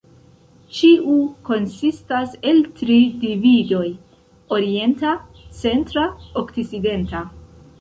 Ĉiu konsistas el tri dividoj: Orienta, Centra, Okcidenta.